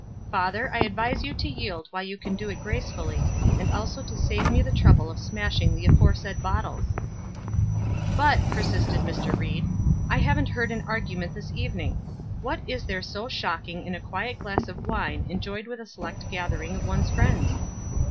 Father, I advise you to yield while you can do it gracefully, and also to save me the trouble of smashing the aforesaid bottles." "But," persisted Mr. Ried, "I haven't heard an argument this evening. What is there so shocking in a quiet glass of wine enjoyed with a select gathering of one's friends?"